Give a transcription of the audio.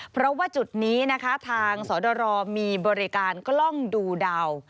เพราะว่าจุดนี้นะคะทางสอดรมีบริการกล้องดูดาว